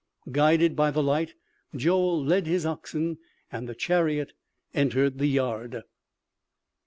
Guided by the light, Joel led his oxen and the chariot entered the yard.